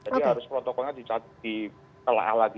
jadi harus protokolnya dikelah lagi